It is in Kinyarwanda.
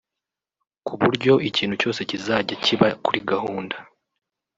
ku buryo ikintu cyose kizajya kiba kuri gahunda